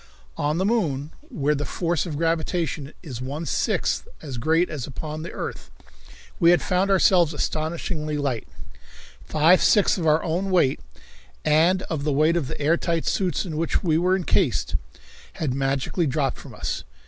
On the moon, where the force of gravitation is one sixth as great as upon the earth, we had found ourselves astonishingly light. Five sixths of our own weight, and of the weight of the air tight suits in which we were incased, had magically dropped from us.